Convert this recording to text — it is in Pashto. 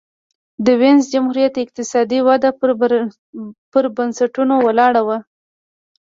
د وینز جمهوریت اقتصادي وده پر بنسټونو ولاړه وه.